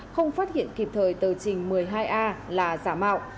không phát hiện kịp thời tờ trình một mươi hai a là giả mạo